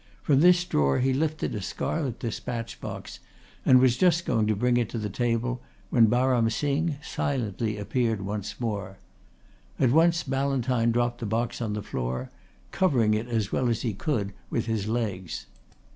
From this drawer he lifted a scarlet despatch box, and was just going to bring it to the table when Baram Singh silently appeared once more. At once Ballantyne dropped the box on the floor, covering it as well as he could with his legs.